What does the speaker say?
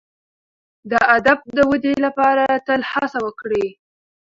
د ادب د ودي لپاره تل هڅه وکړئ.